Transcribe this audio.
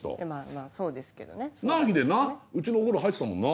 家のお風呂入ってたもんな？